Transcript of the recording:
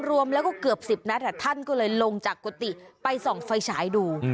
รวมแล้วก็เกือบ๑๐นัดท่านก็เลยลงจากกุฏิไปส่องไฟฉายดู